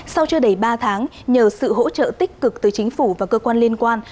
sau chưa đầy ba tháng nhờ sự hỗ trợ tích cực từ chính phủ và cơ quan liên quan